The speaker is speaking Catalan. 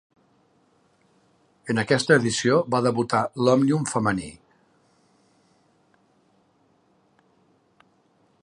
En aquesta edició va debutar l'Òmnium femení.